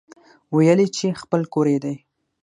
ويل يې چې خپل کور يې دی.